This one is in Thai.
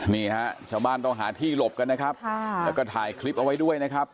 นี่ฮะชาวบ้านต้องหาที่หลบกันนะครับแล้วก็ถ่ายคลิปเอาไว้ด้วยนะครับ